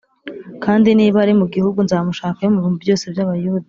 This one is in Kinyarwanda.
kandi niba ari mu gihugu nzamushakayo mu bihumbi byose by’Abayuda.